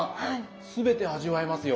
全て味わえますよ。